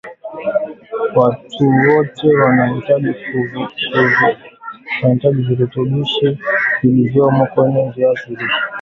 Watu wote wanahitaji virutubishi vilivyomo kwenye viazi lishe